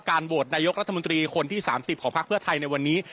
ว่าการโบสถ์นายกรัฐมนตรีคนที่๓๐ของภักดิ์เพื่อไทยในวันนี้